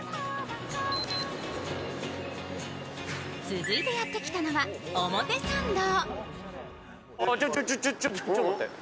続いてやってきたのは表参道。